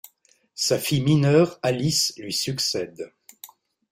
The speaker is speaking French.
Sa fille mineure Alice lui succède.